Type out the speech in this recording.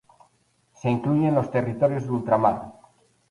Se incluyen los territorios de ultramar.